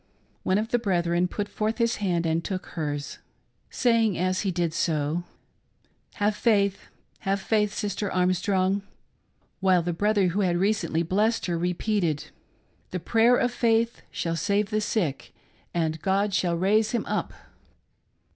One of the brethren put forth his hand, and took hers, saying as he did so :" Have faith ; have faith Sister Arm strong ;"— while the brother who had recently blessed her repeated :" The prayer of faith shall save the sick, and God shall raise him up